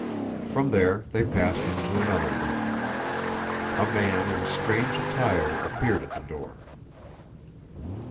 From there they passed into another room. A man in strange attire appeared at the door.